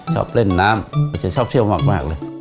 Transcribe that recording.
ชอบเล่นน้ำก็จะชอบเชี่ยวมากเลย